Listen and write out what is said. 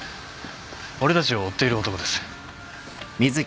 俺たちを追っている男です。